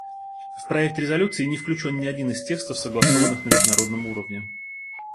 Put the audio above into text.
В проект резолюции не включен ни один из текстов, согласованных на международном уровне.